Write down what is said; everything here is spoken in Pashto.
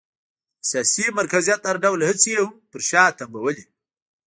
د سیاسي مرکزیت هر ډول هڅې یې هم پر شا تمبولې.